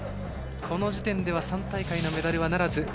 この時点では３大会でのメダルはならず。